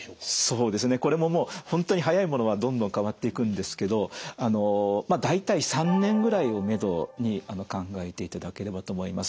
そうですねこれももう本当に早いものはどんどん変わっていくんですけどまあ大体３年ぐらいを目処に考えていただければと思います。